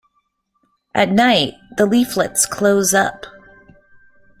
At night, the leaflets close up.